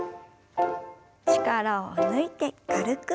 力を抜いて軽く。